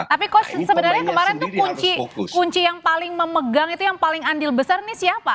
tapi cost sebenarnya kemarin tuh kunci yang paling memegang itu yang paling andil besar nih siapa